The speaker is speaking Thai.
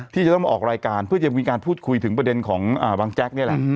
ที่จะต้องมาออกรายการเพื่อจะมีการพูดคุยถึงประเด็นของบางแจ๊กนี่แหละ